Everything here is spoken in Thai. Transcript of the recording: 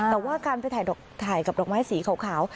แต่ว่าการไปถ่ายกับดอกไม้สีขาว